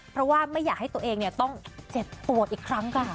เพราะว่าไม่อยากให้ตัวเองต้องเจ็บตัวอีกครั้งค่ะ